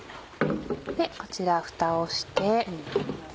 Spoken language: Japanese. こちらふたをして。